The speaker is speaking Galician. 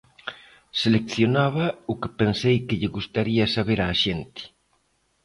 Seleccionaba o que pensei que lle gustaría saber á xente.